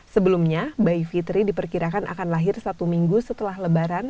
sebelumnya bayi fitri diperkirakan akan lahir satu minggu setelah lebaran